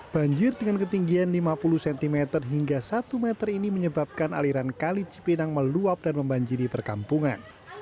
banjir dengan ketinggian lima puluh cm hingga satu meter ini menyebabkan aliran kali cipinang meluap dan membanjiri perkampungan